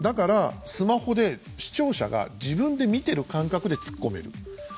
スマホで視聴者が自分で見てる感覚でツッコめる。